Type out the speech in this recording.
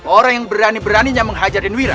orang yang berani beraninya menghajarin wira